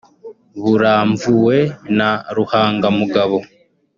buramvuwe na Ruhangamugabo